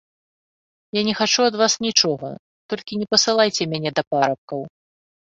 Я не хачу ад вас нічога, толькі не пасылайце мяне да парабкаў.